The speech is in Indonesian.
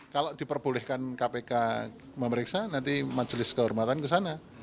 kalau diperbolehkan kpk memeriksa nanti majelis kehormatan ke sana